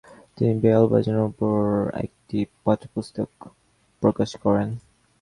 তিনি বেহালা বাজানোর উপর একটি পাঠ্যপুস্তক প্রকাশ করেন।